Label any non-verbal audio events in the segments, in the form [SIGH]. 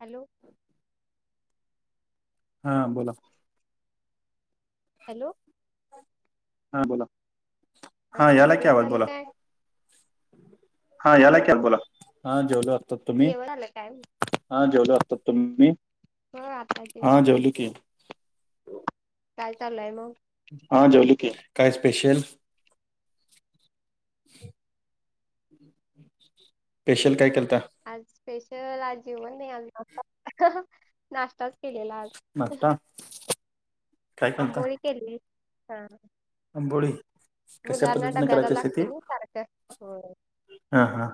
Hello हा बोला hello, हा बोला हा यालाय की आवाज बोला हा यायला की आवाज बोला, हा जेवलो आता तुम्ही जेवण झाल काय? हा जेवलो आताच, तुम्ही? हो आताच हा जेवले की कायल चालय मग? हा जेवलो की काय स्पेशल? ह ह् स्पेशल काय केलता आज स्पेशल आज जेवण नाही आज नाष्टा नाष्टाताच केलेला आज नाश्ता काय केलता आंबोळी केलेली हा आंबोळी कशा मुलांना पद्धतीने डब्याला करायची असते ती लागते ना सारखं हा हा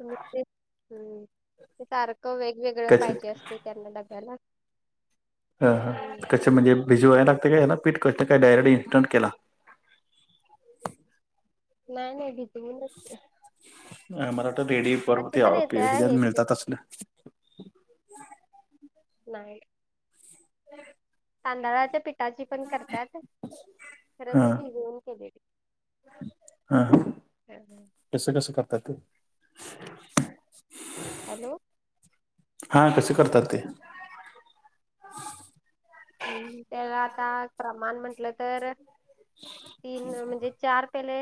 ते हम्म ते सारखं वेगवेगळं कशी पाहिजे असत त्यांना डब्याला अ कस म्हणजे भिजवाय लागते काय ना पीठ क काय डायरेक्ट इन्स्टंट केला नाही नाही भीजवुन अ मला तर रेडी परवती आपी हे ज मिळतात असल नाही हम् तांदळाच्या पिठाची पण करतात खरं हा मी भिजवून केले हा ह कसं कसं करतात ते हॅलो हा कसे करतात ते हा त्याला आता प्रमाण म्हंटलं तर म्हणजे चार पेले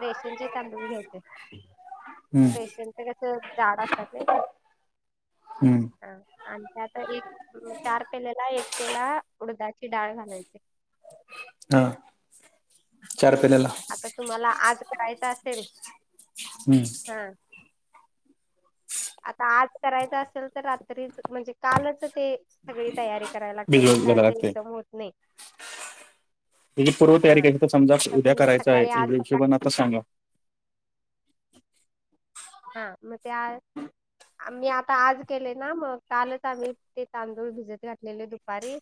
रेशनचे तांदूळ घ्यायचे हम्म, रेशन तर कस जाड असतात ना ते हम्म, हा आणि त्या आत एक चार पेलेला एक पेला उडदाची डाळ घालायची हा चार पेलेला आता तुम्हाला आज करायचं असेल हम्म आता आज करायच असेल तर रात्रीच म्हणजे कालच ते सगळी तयारी करायला लागते ते भिजवत कां घालायला लागते एकदम होत नाही त्याची पूर्व तयारी केली तर समजा उद्या करायचं आहे या विशोबान आता सांगा हा मग ते आय आम्ही आता आज केले ना मग कालच आम्ही ते तांदूळ भिजत घातलेले दुपारी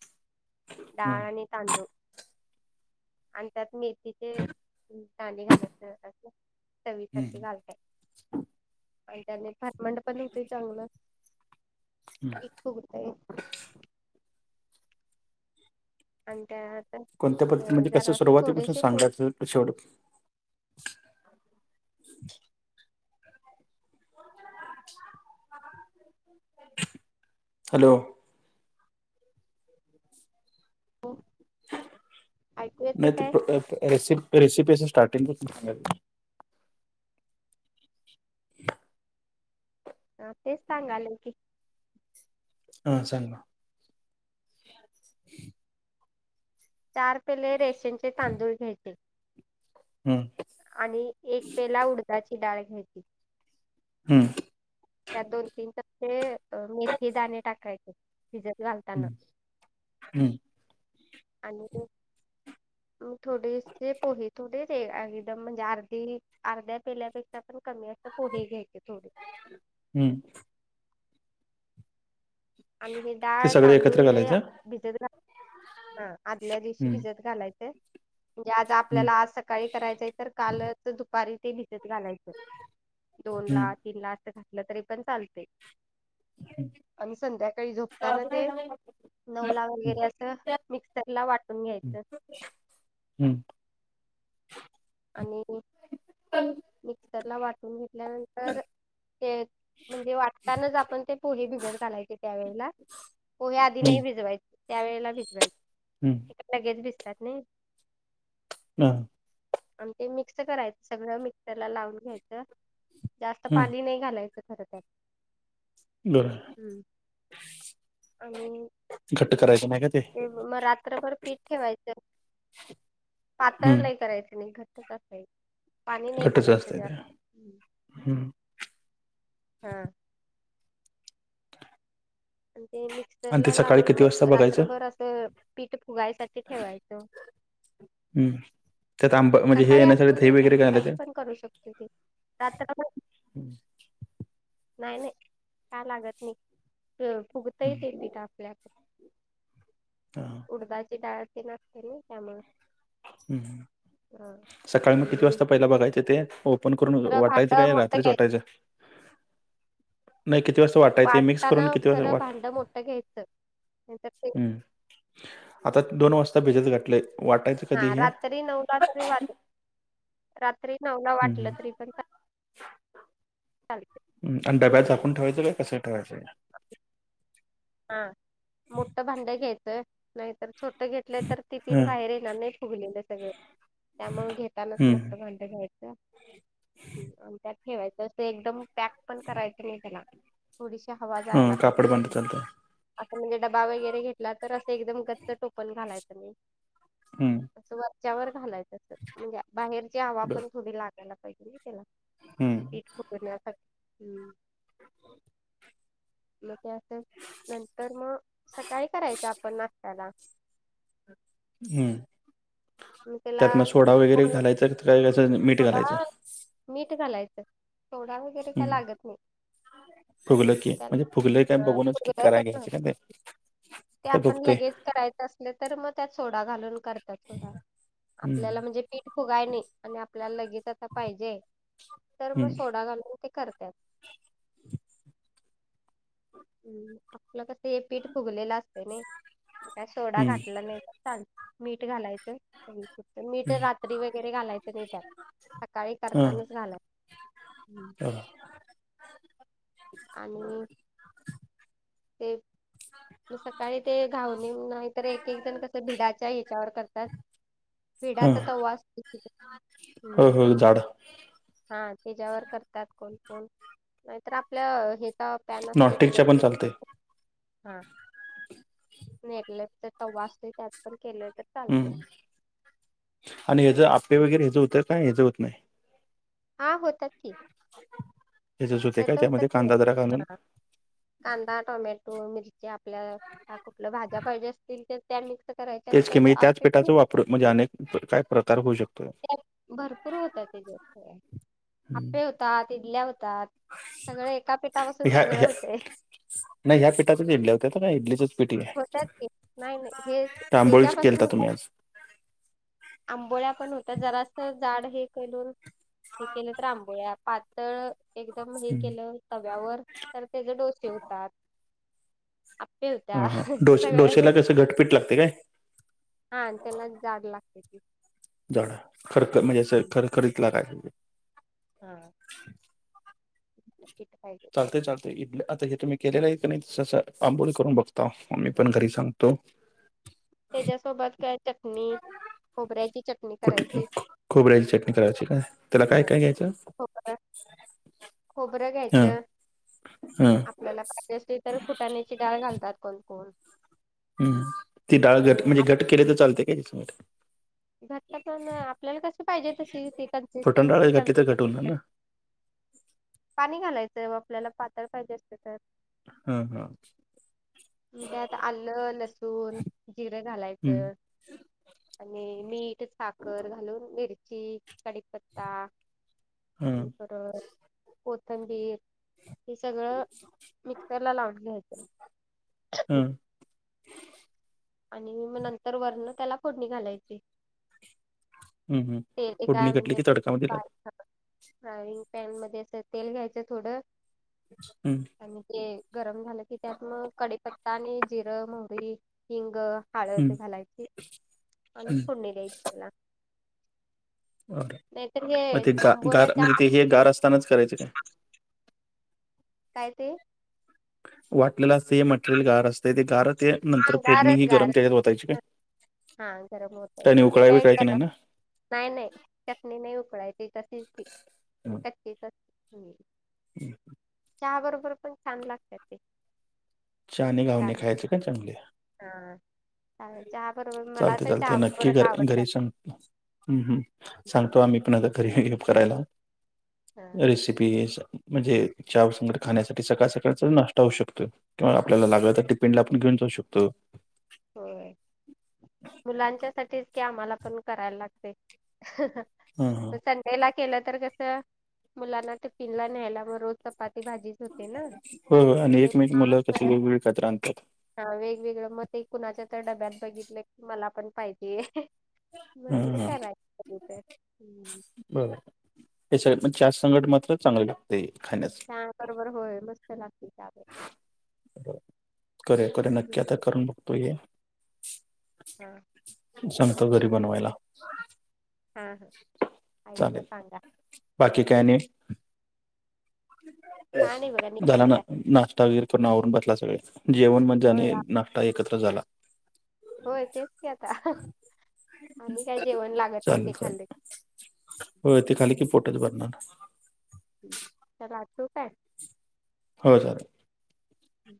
डाळ हं आणि तांदूळ आणि त्यात मेथीचे दाणे घालायच अस चवीसाठी हं घालतात आणि त्यानी भातमंड पण होतय चांगल फुगतय आणि त्याात कोणत्या पद्धतीमध्ये कसं सुरवीपासून सांगायचं शेवटं हॅलो नाही ते तर रेसिपी स्टार्टिंग हा तेच सांगाले की हा सागा चार पेले रेशनचे तांदूळ घ्यायचे ह आणि एक पेला उडदाची डाळ घ्यायची हम्म त्यात दोन तीन टप्पे मेथी दाणे टाकायचे भिजत घालताना. हम्म आणि काय थोडेसे पोहे थोडे आहे दम म्हणजे अर्धी अर्ध्या पेल्यापेक्षा पण कमी असं पोहे घ्यायचे थोडे हम आणि हे ते डाळ सगळे तांदूळ एकत्र हे घालायचं भिजत घा अ आदल्या दिवशी हं भिजत घालायचे. मंजे आज हं आपल्याला आज सकाळी करायचं आहे तर काल दुपारीच ते भिजत घालायचंय. दोन हं ला तीन ला आस घातलं तरीपण चालतय. काय म्हणता संध्याकाळी झोपताना ते नऊ ला वगैरे असं मिक्सरला वाटून घ्यायचं. हम आणि मिक्सरला वाटून घेतल्यानंतर तर ते म्हणजे वाटतानाच आपण ते पोहे भिजत घालायचे त्यावेेळेला. पोहे आधी हं नाही भिजवायचे त्यावेळेला भिजवायच. हम लगेच भिजत्यात नाही. हम अणि ते मिक्स करायचं सगळं मिक्सरला लाऊन घ्यायचं जास्त हं पाणी नाही घालायचं. इथ करत्यात बरं हम आणि घट्ट करायच नाही का ते? ते मग रात्रभर पीठ ठेवायचं पातळ हं लई करायचं नाही खरं. कसा असतय पाणी नाही टाकायचं त्यात हम हा आणि ते आणि ते मिक्सरला सकाळी लावून किती वाजता मग बघायचं रात्रभर असं पीठ फुगायसाठी ठेवायचं. हम् त्यात आंब हे येण्यासाठी हे वगैरे घालाच्य हाय? करू शकतो. लेते आता कसं हं, नाही नाही का लागत नाही फुगतही हं, ते आपलेआप. ता उडदाची डाळ असते ना खरी त्यामुळ. हम सकाळी मग किती वाजता पहिला बघायचे ते? फोन करून वाटायचं काय रात्रीच वाटायचं काय. नाही किती वाजता वाट वाटायचं हे मिक्स वाटताना करून किती वाजता खरं भांड मोठ घ्यायचं. हं. आता दोन वाजता भिजत घातलय वाटायच. हा रात्री नऊला तरी वाट रात्री नऊला हं, वाटलं हं. तरी पण चा - चालतयं आणि डब्यात झाकून ठेवायच का कसाय ठेवायचंय? हा मोठ भांड घ्यायचंय नाहीतर छोटं घेतलंय तर ते हे? पीठ हं, बाहेर य ना नाही फुगलेलं सगळं त्यामुळे घेतानाच हं. मोठं भांड घ्यायचं. ह्म आणि त्यात ठेवायचं असं एकदम पॅक पण करायचं नाही करायचं त्याला. थोडीशी हवा हं. जायला पाहिजे कापड बंद त्यात. चालतं. असा म्हणजे डबा वगैरे घेतला तर असं एकदम गच्च टोपन घालायचं नई. हम्म. अस वरच्यावर घालायचं असं म्हणजे बाहेरची हवा बरं. पण थोडी लागायला पाहिजे ना त्याला. हं, पीठ फुगवण्यासाठी हम्म. [INAUDIBLE] मग ते अस नंतर मग सकाळी करायचं आपण नाश्त्याला. हम्म त्यात मग सोडा वगैरे घालायचं काय कसं मीठ सोडा घालायचं? मीठ घालायचं सोडा वगैरे काय हं. लागत नाही. फुगलं की म्हणजे फुगलं का बघूनच की करायला घ्यायचे का ते? ते का आपण फुगतंय? लगेच करायच असल तर मग त्यात सोडा घालून करत सोडा आपल्याला हं, म्हणजे पीठ फुगाय नाही न आ आपल्या लगेच आता पाहिजे तर मग हं, सोडा घालून ते करतात. हम्म आपलं कसं हे पीठ फुगलेलं असत ना काय सोडा हं, घातला नाही तर चाल मीठ घालायचं. मीठ हं. रात्री वगैरे घालायचं नाही त्यात सकाळी हां. करतानाच घालायच. हम्म. हां. आणि ते म सकाळी ते घाऊून ये नाहीतर एक एक जण कस भिडाच्या ह्याच्यावर करतात. ह भिडाचा तवा असतो तिथ हम्म. हो हो जाड. हा त्याच्यावर करतात कोण कोण नाहीतर आपल्या हे त प्यान असतय नॉनस्टिकच्या पण तेच्यात चालतय [UNINTELLIGIBLE] नाही आपल्या तवा असतय त्यात पण केले तर हम्म आणि याच आपे वगैरे हच होतं काय याच होत नाही. हा होतात की. हयाजच होतय का त्यामध्ये कांदा जरा घालून? कांदा, टोमॅटो, मिरची आपल्या कुठल्या भाज्या पाहिजे असतील त्या त्या मिक्स करायच्या तेच आणि की त्या मी त्याच आप्पे पण पिठाचा वापर होतात [UNINTELLIGIBLE] म्हणजे अनेक काय प्रकार होऊ शकतो. त्यात भरपूर होत ते दि हम्म. आपे होतात, इडल्या होतात. सगळं एका पिठापासून ह्या सगळं ह्या होतय. नाही ह्या पीठाचे इडल्या होतात ना नाही इडली पीठ घ्यायचं आंबोळ्या केलता तुम्ही आज? आंबोळ्या पण होत्या जरास जाड हे केल हे केलं तर आंबोळ्या पा तळ एकदम हे ह केलं तव्यावर तर त्याचे डोसे होतात. आपे होत्या सगळ्याच होत्या. घट पीट लागते काय? हा आणि त्याला जाड लागते पीठ. जाड खरख म्हणजे खरखरीत लागाय. हां. पीठ पाहिजे. चालते चालते इथ आता हे तुम्ही केलेलं आहे क नाही त आंबोळी करून बघता म मी पण घरी सांगतो. त्याच्यासोबत काय चटणी खोबऱ्याची चटणी कुठली करायची. खो- खोबऱ्याची चटणी करायची काय त्याला काय काय घ्यायचं? खोबरं हां घ्यायचं हां आप ज्याला पाहिजे असेल तर फुटाण्याची डाळ घालतात कोणकोण. हम्म ती डाळ घट म्हणजे घट केली तर चालते [UNINTELLIGIBLE] घट्ट तेन आपल्याला कशी पाहिजे तशी ती फुटण कन्सिस्टन्सी डाळ घातली तर घट काॅन्ट्रेटी होणार ना पाणी घालायचं आपल्याला पातळ पाहिजे असलं तर. हा हा मग त्यात आल्ल, लसूण, जिरं हं, घालायचं. आणि मीठ, साखर घालून मिरची, कडीपत्ता हां आणि परत कोथंबीर हे सगळं मिक्सरला लावुन घ्यायच. हम्म. आणि मग नंतर वरणं त्याला फोडणी घालायची. हं, हं. ते ते काय फोडणी घातली म्हणजे की तडकामध्ये दिला [UNINTELLIGIBLE] फ्रायंग पॅन मध्ये असं तेल घ्यायचं थोडं एक्सपींट आणि ते गरम झालं की त्यात मग कढीपत्ता आणि जिरं, मोहरी, हिंग हं, हळद घालायची आणि हं. फोडणी द्यायची त्याला बरं. नाहीेत हे मग ते गा आंबट गार म्हणजे ताक ते हे गार असतानाच करायचं काय काय ते वाटलेलं असतय हे मटेरियल गार असतय ते गार ते नंतर फोडणीही गरम त्याच्यात वतायची काय हा गरम ओतायची त्याने ते उकळावी काय करायचं कर नाही ना नाही नाही चटणी नाही उकळायची तशीच ती चटणी तसली हम् [UNINTELLIGIBLE] चहा बरोबर पण छान लागत्यात ते चाहा आणि घाऊणे खायचे का चांगले हा चालेल चहा बरोबर मला चालते तर चहा बरोबरच आवडतात हम हम सांगतो आम्ही कुणाला तरी हेल्प करायला घरी शिकले असं म्हणजे एक चहा व संगट खाण्यासाठी सकाळ सकाळचा नाष्टा होऊ शकतोय किंवा आपल्याला लागलं तर टिफीनला पण घेऊन जाऊ शकतो होय मुलांच्यासाठीच की आम्हाला पण करायला लागतय हां, हां. मग संडेला केलं तर कसं मुलांना टिफीनला न्ह्यायला म्हणून चपाती भाजी हो हो आणि एकमेक मुलं कशी वेगवेगळी एकत्र आणत्यात हा वेगवेगळं मग ते कुणाच्या तर डब्यात बघितलं की मला पण पाहिजे अहं म हां, हां. कराय ते हम् [UNINTELLIGIBLE] हो हे सगळं पण चहा संगट मात्र चांगलं लागतय खाण्यास हा बरोबर, होय मस्त लागतल चहा बरोबर हो करूया करूया नक्की आता करून बघतो हे सांगतो घरी बनवायला हा हा आई ना चालेल. सांगा बाकी काय आणि? ह झाला ना नाश श्ता वगैरे करून आवरून बसला सगळे जेवण पण जाने नाष्टा एकत्र झाला होय तेच की आता हं हं आणि काय जेवण लागत नाही ते खाल्लं हो ते खाल्ल कि पोटच भरणार तो लागतो काय होय हम्म.